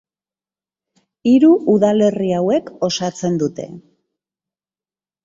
Hiru udalerri hauek osatzen dute.